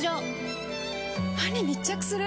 歯に密着する！